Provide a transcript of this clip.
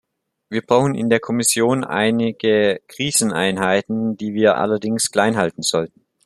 Wir brauchen in der Kommission eigene Kriseneinheiten, die wir allerdings klein halten sollten.